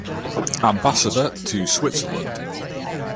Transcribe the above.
Ambassador to Switzerland.